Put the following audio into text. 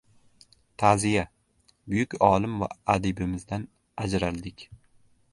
Ta’ziya: Buyuk olim va adibimizdan ajraldik